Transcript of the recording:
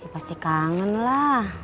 pasti kangen lah